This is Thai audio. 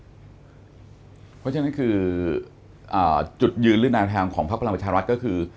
เพราะฉะนั้นคือจุดยืนเลื่อนแทนแทนของภักดาลประชาวรัฐก็คือ